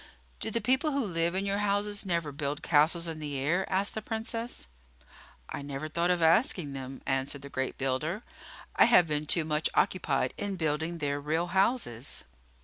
"Do the people who live in your houses never build castles in the air?" asked the Princess. "I never thought of asking them," answered the great builder. "I have been too much occupied in building their real houses."